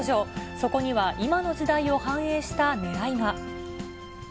そこには今の時代を反映したねらいが。